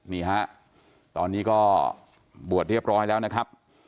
นี่ฮะตอนนี้ก็บวชเรียบร้อยแล้วนะครับ